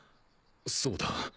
そうだ。